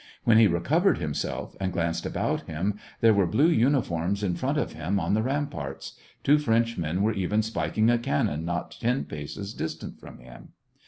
When he recovered himself and glanced about him, there were blue uniforms in front of him on the ram parts ; two Frenchmen were even spiking a can non not ten paces distant from him.